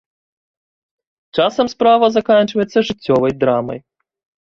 Часам справа заканчваецца жыццёвай драмай.